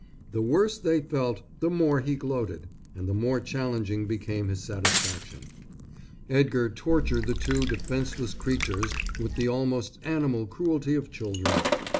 The worse they felt the more he gloated, and the more challenging became his satisfaction. Edgar tortured the two defenceless creatures with the almost animal cruelty of children.